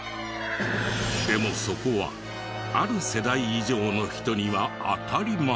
でもそこはある世代以上の人には当たり前。